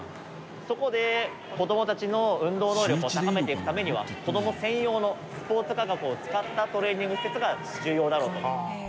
そこで子どもたちの運動能力を高めていくためには子ども専用のスポーツ科学を使ったトレーニング施設が重要だろうと。